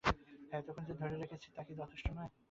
হ্যাঁ, এতক্ষণ যে ধরে রেখেছি তাই কি যথেষ্ট নয়?